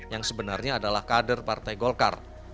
yang sebenarnya adalah kader partai golkar